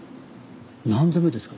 何座目ですか？